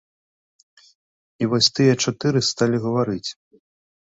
І вось тыя чатыры сталі гаварыць.